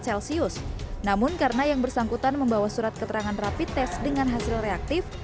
kasius namun karena yang bersangkutan membawa surat keterangan rapi tes dengan hasil reaktif